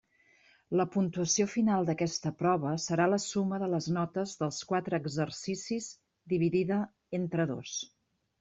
La puntuació final d'aquesta prova serà la suma de les notes dels quatre exercicis dividida entre dos.